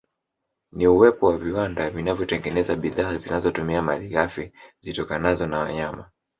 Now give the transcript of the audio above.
Ni uwepo wa viwanda vinavyotengeneza bidhaa zinazotumia malighafi zitokanazo na wayama